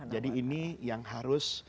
jadi ini yang harus